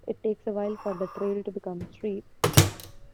It takes a while for the trail to become steep.